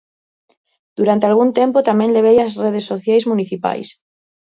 Durante algún tempo tamén levei as redes sociais municipais.